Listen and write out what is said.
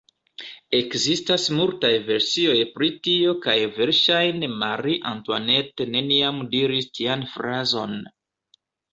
Ekzistas multaj versioj pri tio kaj verŝajne Marie-Antoinette neniam diris tian frazon.